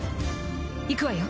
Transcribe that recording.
行くわよ。